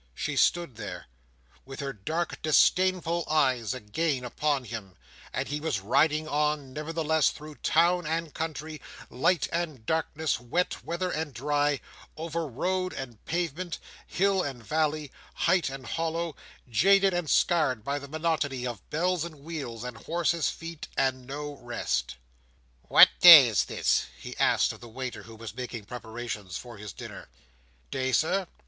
She stood there, with her dark disdainful eyes again upon him; and he was riding on nevertheless, through town and country, light and darkness, wet weather and dry, over road and pavement, hill and valley, height and hollow, jaded and scared by the monotony of bells and wheels, and horses' feet, and no rest. "What day is this?" he asked of the waiter, who was making preparations for his dinner. "Day, Sir?"